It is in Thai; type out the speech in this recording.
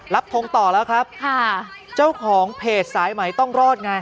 ทงต่อแล้วครับค่ะเจ้าของเพจสายไหมต้องรอดไง